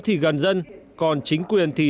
thì gần dân còn chính quyền thì